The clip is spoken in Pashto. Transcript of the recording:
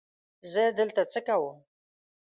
زه دلته څه کوم؟